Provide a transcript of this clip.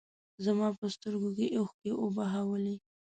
زما په سترګو کې اوښکې وبهولې.